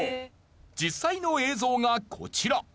実際の映像がこちら。